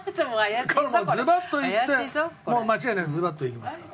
もうズバッと言ってもう間違いなくズバッと言いますから。